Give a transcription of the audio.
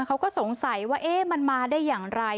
เขาก็สงสัยว่ามันมาได้อย่างไร